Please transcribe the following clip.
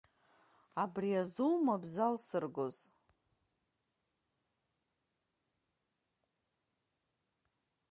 Абри азоума бзалсыргоз…